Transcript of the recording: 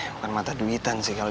bukan mata duitan sih kalau